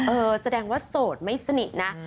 เออแสดงว่าโสดไม่สนิทนะ